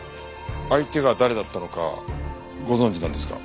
相手が誰だったのかご存じなんですか？